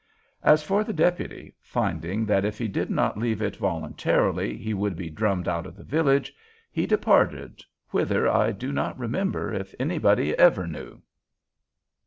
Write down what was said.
As for the deputy, finding that if he did not leave it voluntarily he would be drummed out of the village, he departed, whither I do not remember if anybody ever knew.